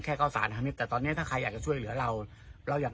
เข้าสารทางนิดแต่ตอนเนี้ยถ้าใครอยากจะช่วยเหลือเราเราอยาก